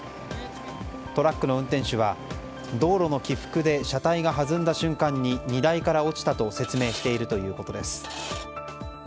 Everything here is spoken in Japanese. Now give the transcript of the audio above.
トラックの運転手は道路の起伏で車体が弾んだ瞬間に荷台から落ちたと説明しているということです。